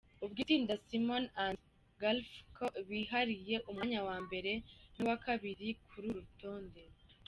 Ubwo itsinda Simon & Garfunkel bihariye umwanya wa mbere n’uwa kabiri kuri uru rutonde.